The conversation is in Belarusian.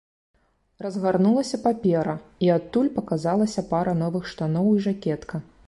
Разгарнулася папера, і адтуль паказалася пара новых штаноў і жакетка.